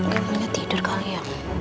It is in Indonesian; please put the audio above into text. gak punya tidur kali ya